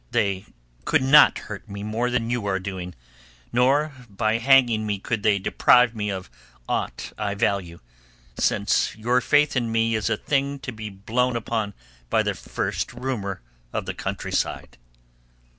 They could not hurt me more than you are doing, nor by hanging me could they deprive me of aught I value, since your faith in me is a thing to be blown upon by the first rumour of the countryside."